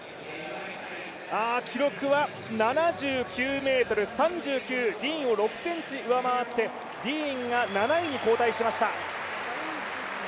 記録は７９ｍ３９、ディーンを６ｃｍ上回って、ディーンが７位に後退しました。